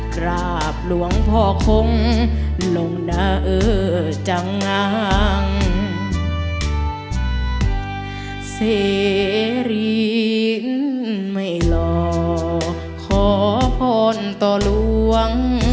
กราบหลวงพ่อคงลงนาเออจังงังเสรีไม่หล่อขอพรต่อหลวง